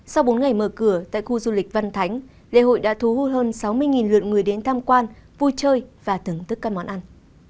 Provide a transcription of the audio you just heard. sau bốn ngày mở cửa tại khu du lịch văn thánh lễ hội đã thu hút hơn sáu mươi lượt người đến tham quan vui chơi và thưởng thức các món ăn